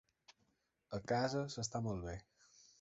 A casa s'està molt bé.